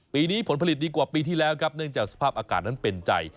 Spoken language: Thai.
ปีนี้ผลผลิตดีกว่าปีที่แล้วครับเนื่องจากสภาพอากาศนั้นเป็นใจ